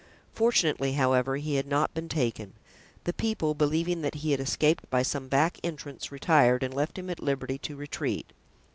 Fortunately, however, he had not been taken; the people, believing that he had escaped by some back entrance, retired and left him at liberty to retreat.